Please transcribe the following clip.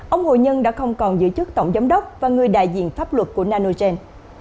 ông hồ nhân đã không còn giữ chức tổng giám đốc và người đại diện pháp luật của nanogen